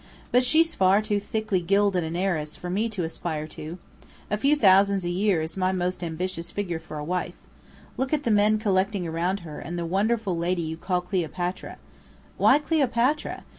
But she's far too thickly gilded an heiress for me to aspire to. A few thousands a year is my most ambitious figure for a wife. Look at the men collecting around her and the wonderful lady you call Cleopatra. Why Cleopatra?